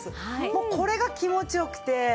もうこれが気持ち良くて。